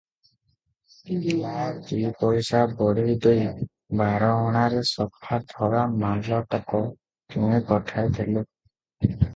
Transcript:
ମୁଁ ଦି ପଇସା ବଢେଇ ଦେଇ ବାର ଅଣାରେ ସଫା ଧଳା ମାଲତକ କିଣି ପଠାଇଥିଲି ।